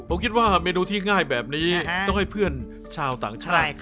ผมคิดว่าเมนูที่ง่ายแบบนี้ต้องให้เพื่อนชาวต่างชาติ